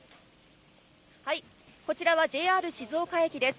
こちらはＪＲ静岡駅です。